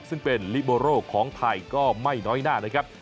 ซึ่งเป็นลิโบโร่ของไทยก็ไม่น้อยหน้านะครับ